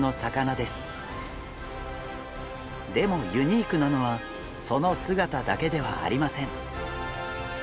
でもユニークなのはその姿だけではありません。